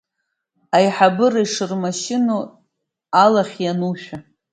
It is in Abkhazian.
Аиҳабыра ишырмашьыноу алахь ианушәа…